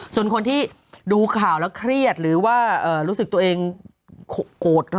ส่วนคนที่ดูข่าวแล้วเครียดหรือว่ารู้สึกตัวเองโกรธ